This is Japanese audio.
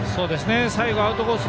最後アウトコース